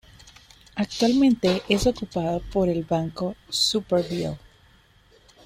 Actualmente es ocupado por el Banco Supervielle.